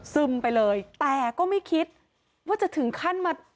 ไปเลยแต่ก็ไม่คิดว่าจะถึงขั้นมา